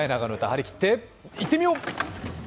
張り切っていってみよう！